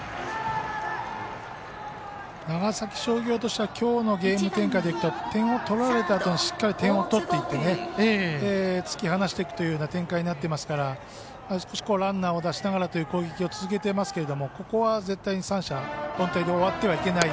長崎商業としてはきょうのゲーム展開でいくと点を取られたあとにしっかり点を取っていって突き放していくという展開になっていますから少しランナーを出しながらという攻撃を続けていますけれどもここは絶対に三者凡退で終わってはいけない。